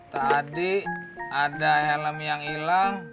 tadi ada helm yang hilang